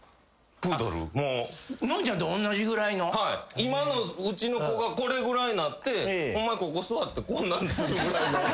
今のうちの子がこれぐらいなってここ座ってこんなんするぐらいの。